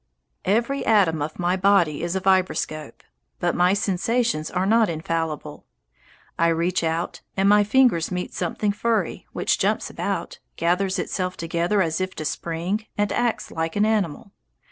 Every atom of my body is a vibroscope. But my sensations are not infallible. I reach out, and my fingers meet something furry, which jumps about, gathers itself together as if to spring, and acts like an animal.